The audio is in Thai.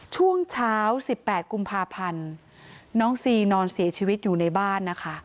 ช่วงเช้า๑๘กุมภาพันธ์น้องซีนอนเสียชีวิตอยู่ในบ้านนะคะ